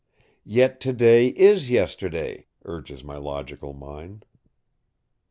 "Yet to day is yesterday," urges my logical mind.